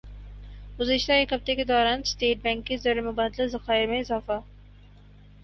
گزشتہ ایک ہفتہ کے دوران اسٹیٹ بینک کے زرمبادلہ ذخائر میں اضافہ